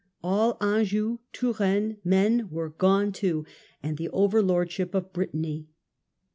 All Anjou, Touraine, Maine, were gone too, and the overlordship of Brittany.